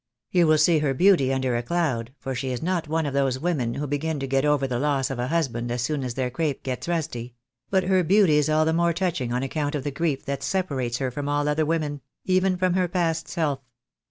You will see her beauty under a cloud, for she is not one of those women who begin to get over the loss of a husband as soon as their crape gets rusty; but her beauty is all the more touching on account of the grief that separates her from all other women — even from her past self.